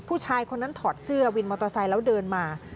ผู้ชายคนนั้นถอดเสื้อวินมอเตอร์ไซค์แล้วเดินมา